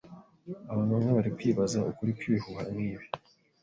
Abantu bamwe bari kwibaza ukuri kwibihuha nkibi.